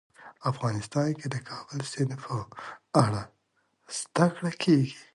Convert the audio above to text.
افغانستان کې د کابل سیند په اړه زده کړه کېږي.